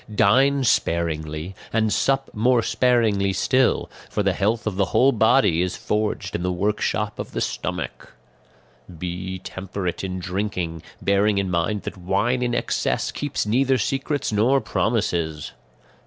"Dine sparingly and sup more sparingly still; for the health of the whole body is forged in the workshop of the stomach. "Be temperate in drinking, bearing in mind that wine in excess keeps neither secrets nor promises.